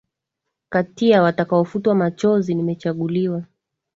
Kati ya watakaofutwa machozi nimechaguliwa